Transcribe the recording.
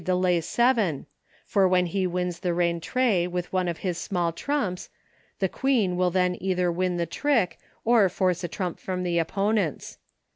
the lay seven, for when he wins the rentree with one of his small trumps, the Queen will then either win the trick or force a trump from the opponents.